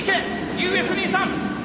ＵＳ２３．！